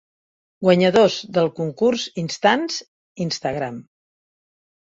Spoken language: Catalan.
Guanyadors del concurs Instants Instagram.